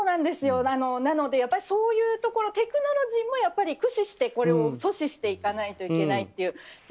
なので、そういうところテクノロジーもやっぱり駆使してこれを阻止していかないといけないという。